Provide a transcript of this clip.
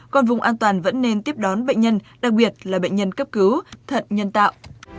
còn vùng an toàn vẫn nên tiếp đón bệnh nhân đặc biệt là bệnh nhân cấp cứu thận nhân tạo